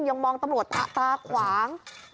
ยังมองตำรวจตาขวาง